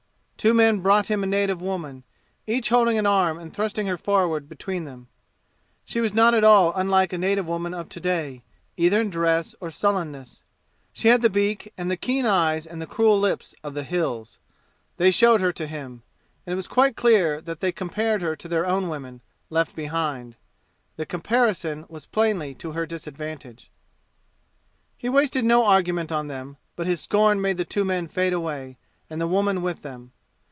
Two men brought him a native woman, each holding an arm and thrusting her forward between them. She was not at all unlike a native woman of to day, either in dress or sullenness; she had the beak and the keen eyes and the cruel lips of the "Hills." They showed her to him, and it was quite clear that they compared her to their own women, left behind; the comparison was plainly to her disadvantage. He wasted no argument on them, but his scorn made the two men fade away, and the woman with them.